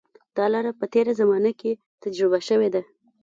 دا لاره په تېره زمانه کې تجربه شوې ده.